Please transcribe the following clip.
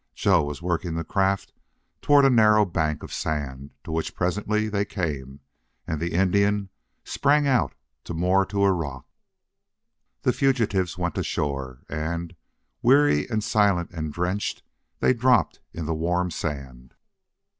Joe was working the craft toward a narrow bank of sand, to which, presently, they came, and the Indian sprang out to moor to a rock. The fugitives went ashore and, weary and silent and drenched, they dropped in the warm sand.